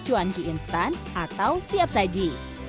cuan ki instan atau siap saji